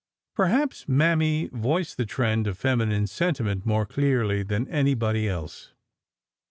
Perhaps Mammy voiced the trend of feminine senti ment more clearly than anybody else.